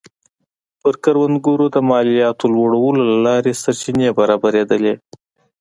پر کروندګرو د مالیاتو لوړولو له لارې سرچینې برابرېدلې